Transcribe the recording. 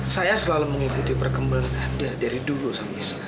saya selalu mengikuti perkembangan anda dari dulu sampai sekarang